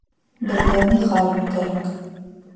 Беҙгә механик кәрәк